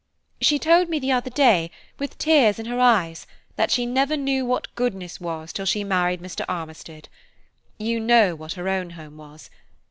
She told me the other day, with tears in her eyes, that she never knew what goodness was till she married Mr. Armistead. You know what her own home was.